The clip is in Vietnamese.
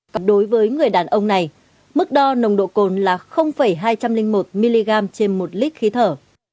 còn đối với người đàn ông này mức đo nồng độ cồn là hai trăm linh một mg trên một lít khí thở